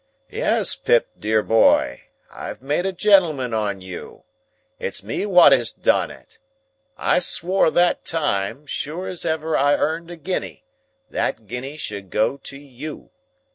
"Yes, Pip, dear boy, I've made a gentleman on you! It's me wot has done it! I swore that time, sure as ever I earned a guinea, that guinea should go to you.